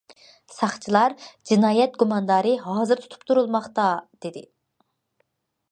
ساقچىلار: جىنايەت گۇماندارى ھازىر تۇتۇپ تۇرۇلماقتا، دېدى.